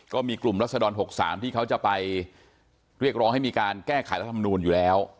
ก็มีกลุ่มรัศดร๖๓ที่เขาจะไปเรียกร้องให้มีการแก้ไขรัฐมนูลอยู่แล้ว